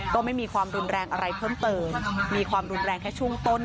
ก็ไม่มีความรุนแรงอะไรเพิ่มเติมมีความรุนแรงแค่ช่วงต้น